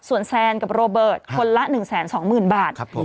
ส่วนแซนกับโรเบิร์ตคนละ๑๒๐๐๐บาท